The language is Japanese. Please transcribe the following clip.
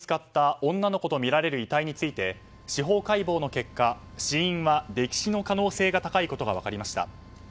千葉県の江戸川で見つかった女の子とみられる遺体について、司法解剖の結果死因は溺死の可能性が高いことが分かりました。